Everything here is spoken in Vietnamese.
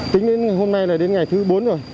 tính đến hôm nay là đến ngày thứ bốn rồi